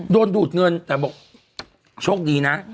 ดูดเงินแต่บอกโชคดีนะ